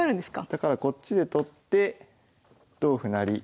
だからこっちで取って同歩成。